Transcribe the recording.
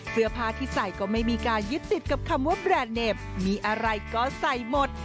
เสื้อผ้าที่ใส่ก็ไม่มีการยึดติดกับคำว่าแบรนด์เนมมีอะไรก็ใส่หมด